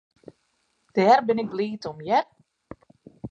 Dêr bin ik bliid om, hear.